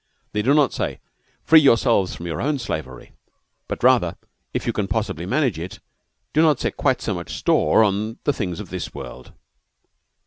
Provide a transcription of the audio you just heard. They do not say, "Free yourselves from your own slavery," but rather, "If you can possibly manage it, do not set quite so much store on the things of this world."